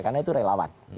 karena itu relawan